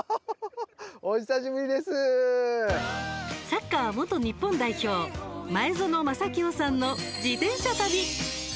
サッカー元日本代表前園真聖さんの自転車旅。